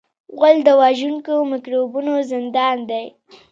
غول د وژونکو میکروبونو زندان دی.